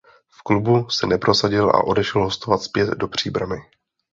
V klubu se neprosadil a odešel hostovat zpět do Příbrami.